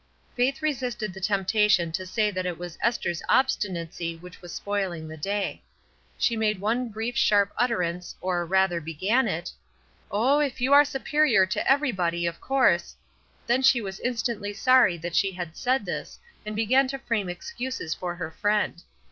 Faith resisted the temptation to say that it was Esther's obstinacy which was spoiling the day. She made one brief sharp utterance, or, rather, began it: "Oh, if you are superior to everybody, of course —'* then she was instantly sorry that she had said this, and began to frame excuses for her friend.